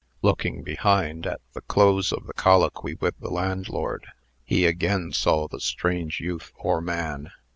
Looking behind, at the close of the colloquy with the landlord, he again saw the strange youth, or man.